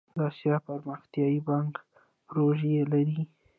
د اسیا پرمختیایی بانک پروژې لري